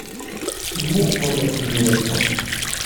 Muqqel akken iwata!